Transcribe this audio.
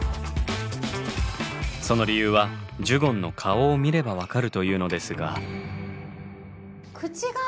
その理由はジュゴンの顔を見れば分かるというのですが。